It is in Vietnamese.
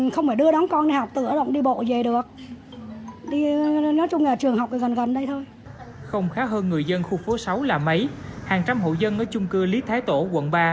không khá hơn người dân khu phố sáu là mấy hàng trăm hộ dân ở chung cư lý thái tổ quận ba